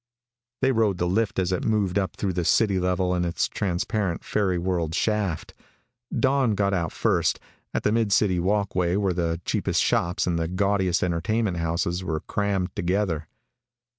They rode the lift as it moved up through the city level in its transparent, fairy world shaft. Dawn got out first, at the mid city walk way where the cheapest shops and the gaudiest entertainment houses were crammed together.